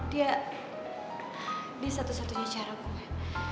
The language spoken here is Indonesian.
dia ini satu satunya cara gue